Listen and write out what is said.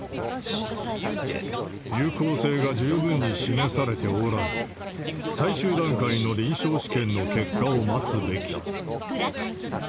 有効性が十分に示されておらず、最終段階の臨床試験の結果を待つべき。